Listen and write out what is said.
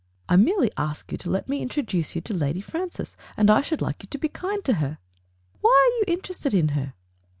"I merely ask you to let me introduce you to Lady Francis, and I should like you to be kind to her." "Why are you interested in her?"